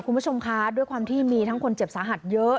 คุณผู้ชมคะด้วยความที่มีทั้งคนเจ็บสาหัสเยอะ